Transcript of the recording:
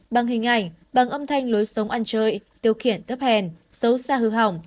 bằng hình ảnh bằng âm thanh lối sống ăn chơi tiêu khiển thấp hèn xấu xa hư hỏng